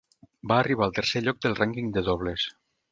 Va arribar al tercer lloc del rànquing de dobles.